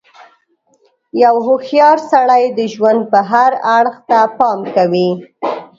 • یو هوښیار سړی د ژوند هر اړخ ته پام کوي.